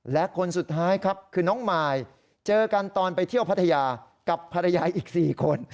และคนสุดท้ายครับคือน้องมายเจอกันตอนไปเที่ยวพัทยากับภรรยาอีก๔คน